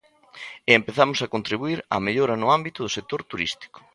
E empezamos a contribuír á mellora no ámbito do sector turístico.